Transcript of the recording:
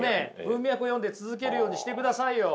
文脈を読んで続けるようにしてくださいよ。